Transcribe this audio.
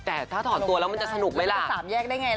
แต่ถ้าถอนตัวแล้วมันจะสนุกมั้ยล่ะ